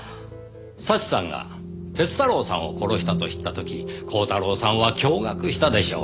祥さんが鐵太郎さんを殺したと知った時鋼太郎さんは驚愕したでしょう。